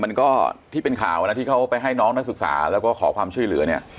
มันก็ที่เป็นข่าวนะที่เขาไปให้น้องนักศึกษาแล้วก็ขอความช่วยเหลือเนี่ย